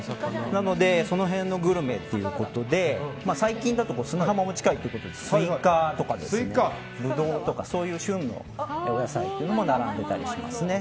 なのでその辺のグルメということで最近だと砂浜も近いということでスイカとかブドウとかそういう旬のお野菜も並んでたりしますね。